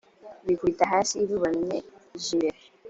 bikubita hasi i bubamye j imbere